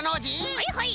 はいはい！